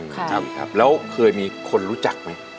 ครับแล้วเคยมีคนรู้จักไหม